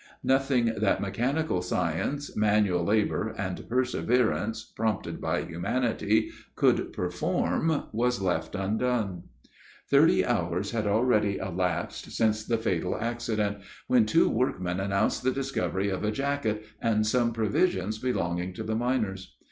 Nothing that mechanical science, manual labor, and perseverance, prompted by humanity, could perform, was left undone. Thirty hours had already elapsed since the fatal accident, when two workmen announced the discovery of a jacket and some provisions belonging to the miners.